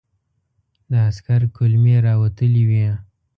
د عسکر کولمې را وتلې وې.